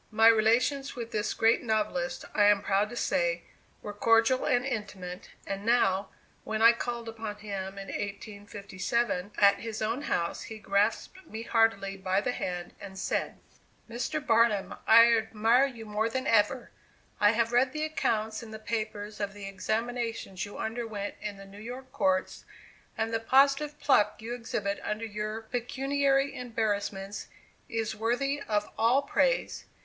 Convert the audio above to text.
My relations with this great novelist, I am proud to say, were cordial and intimate; and now, when I called upon him, in 1857, at his own house he grasped me heartily by the hand and said: "Mr. Barnum, I admire you more than ever. I have read the accounts in the papers of the examinations you underwent in the New York courts, and the positive pluck you exhibit under your pecuniary embarrassments is worthy of all praise.